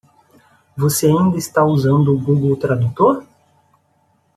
Você ainda está usando o Google Tradutor?